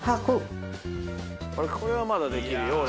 「これはまだできるよ俺」